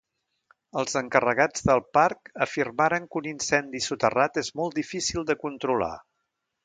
Els encarregats del parc afirmaren que un incendi soterrat és molt difícil de controlar.